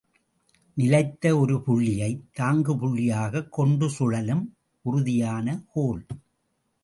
நிலைத்த ஒரு புள்ளியைத் தாங்கு புள்ளியாகக் கொண்டு சுழலும் உறுதியான கோல்.